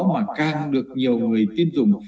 mà càng được nhiều người tin dùng